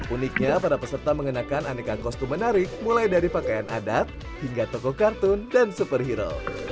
uniknya para peserta mengenakan aneka kostum menarik mulai dari pakaian adat hingga toko kartun dan superhero